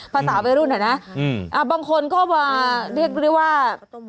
ภาษาวัยรุ่นอ่ะนะบางคนก็มาเรียกได้ว่า